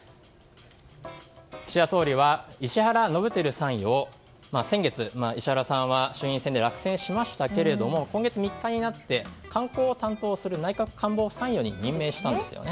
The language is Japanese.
岸田総理は石原伸晃参与を先月、石原さんは衆院選で落選しましたけれども今月３日になって観光を担当する内閣官房参与に任命したんですよね。